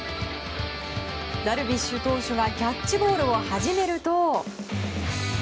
ダルビッシュ投手がキャッチボールを始めると。